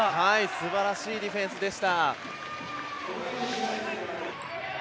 すばらしいディフェンスでした。